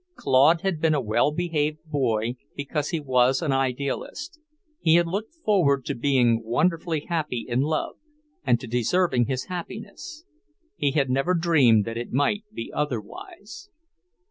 Claude had been a well behaved boy because he was an idealist; he had looked forward to being wonderfully happy in love, and to deserving his happiness. He had never dreamed that it might be otherwise.